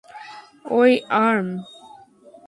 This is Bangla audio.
ওই, আর্ম!